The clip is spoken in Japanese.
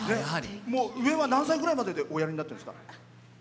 上は何歳ぐらいまでおやりになってるんですか？